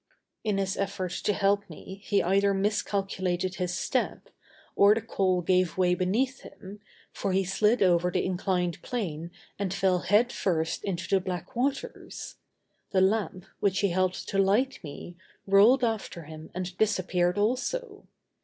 In his effort to help me he either miscalculated his step, or the coal gave way beneath him, for he slid over the inclined plane and fell head first into the black waters. The lamp, which he held to light me, rolled after him and disappeared also.